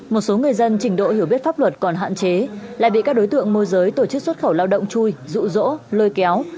một số người dân trình độ hiểu biết pháp luật còn hạn chế lại bị các đối tượng môi giới tổ chức xuất khẩu lao động chui rụ rỗ lôi kéo